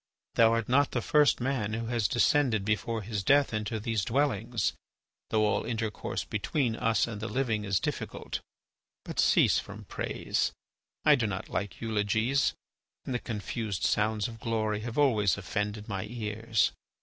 Thou art not the first man who has descended before his death into these dwellings, although all intercourse between us and the living is difficult. But cease from praise; I do not like eulogies and the confused sounds of glory have always offended my ears.